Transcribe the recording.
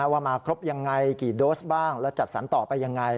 ว่ามาครบยังไงกี่โดสบ้างแล้วจัดสรรต่อไปยังไง